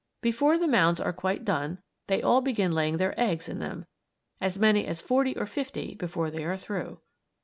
Before the mounds are quite done, they all begin laying their eggs in them; as many as forty or fifty, before they are through.